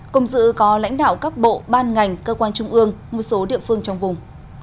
cùng dự có lãnh đạo các bộ ban ngành cơ quan trung ương một số địa phương trong vùng